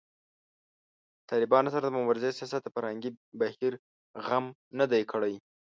د طالبانو سره د مبارزې سیاست د فرهنګي بهیر غم نه دی کړی